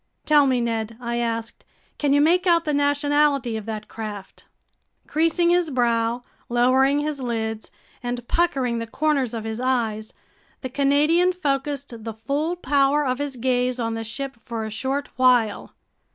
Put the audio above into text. "Tell me, Ned," I asked, "can you make out the nationality of that craft?" Creasing his brow, lowering his lids, and puckering the corners of his eyes, the Canadian focused the full power of his gaze on the ship for a short while.